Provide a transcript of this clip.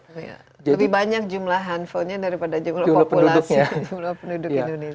lebih banyak jumlah handphonenya daripada jumlah populasi jumlah penduduk indonesia